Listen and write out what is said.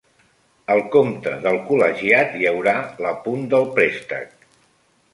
Al compte del col·legiat hi haurà l'apunt del préstec.